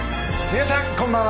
皆さん、こんばんは。